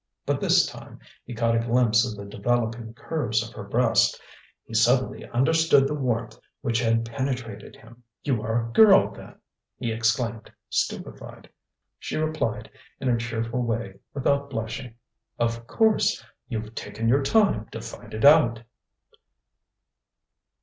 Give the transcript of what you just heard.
But this time he caught a glimpse of the developing curves of her breast: he suddenly understood the warmth which had penetrated him. "You are a girl, then!" he exclaimed, stupefied. She replied in her cheerful way, without blushing: "Of course. You've taken your time to find it out!"